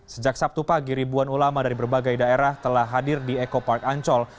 sejak sabtu pagi ribuan ulama dari berbagai daerah telah hadir di eko park ancol